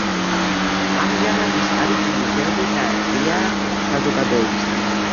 ამაჟამად ის არის მუზეუმი და ღიაა საზოგადოებისთვის.